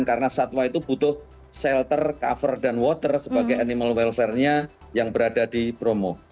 karena satwa itu butuh shelter cover dan water sebagai animal welfarenya yang berada di bromo